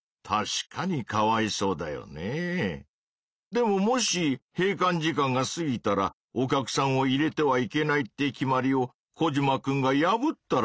でももし閉館時間が過ぎたらお客さんを入れてはいけないって決まりをコジマくんが破ったらどうなるの？